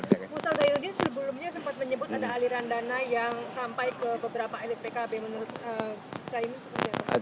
pusat daya yudin sebelumnya sempat menyebut ada aliran dana yang sampai ke beberapa lspkb menurut caimin